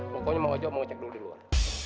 pokoknya mang hojo mau cek dulu di luar